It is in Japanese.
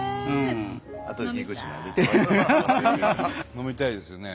飲みたいですよね。